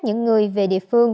những người về địa phương